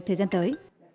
thời gian tới